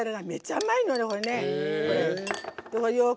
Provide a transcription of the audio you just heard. めちゃうまいのよ。